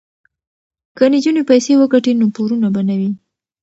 که نجونې پیسې وګټي نو پورونه به نه وي.